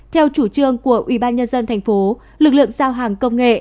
theo chủ trương của ubnd tp lực lượng giao hàng công nghệ